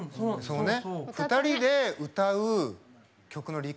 そうだね。